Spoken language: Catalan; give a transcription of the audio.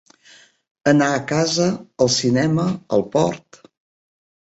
Anar a casa, al cinema, al port.